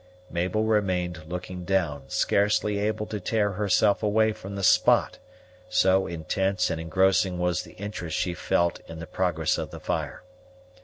Mabel remained looking down, scarcely able to tear herself away from the spot, so intense and engrossing was the interest she felt in the progress of the fire.